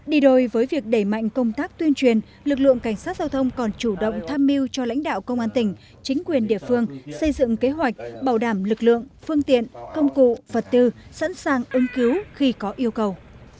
đi đổi với việc đẩy mạnh công tác tuyên truyền lực lượng cảnh sát giao thông còn chủ động tham mưu cho lãnh đạo công an tỉnh chính quyền địa phương xây dựng kế hoạch bảo đảm lực lượng phương tiện công cụ vật tư sẵn sàng ứng cứu khi có yêu cầu